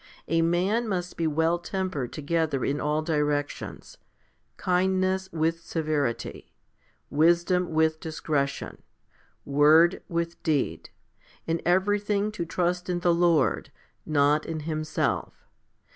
A man must be well tempered together in all directions, kindness with severity, wisdom with discretion, word with deed, in everything to trust in the Lord, not in himself.